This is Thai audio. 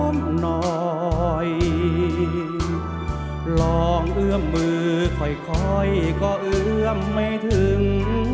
ลองเอื้อมมือค่อยก็เอื้อมไม่ถึง